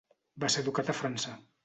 Va ser educat a França.